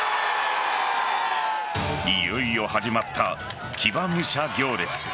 いよいよ始まった騎馬武者行列。